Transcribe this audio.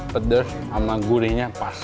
pedas sama gurihnya pas